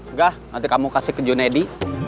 nggak nanti kamu kasih ke junaidi